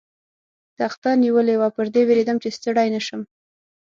تخته نیولې وه، پر دې وېرېدم، چې ستړی نه شم.